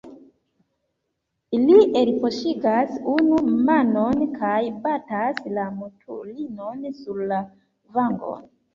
Li elpoŝigas unu manon kaj batas la mutulinon sur la vangon.